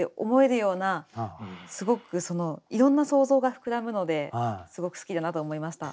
すごくいろんな想像が膨らむのですごく好きだなと思いました。